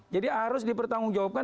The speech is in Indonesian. jadi harus dipertanggungjawabkan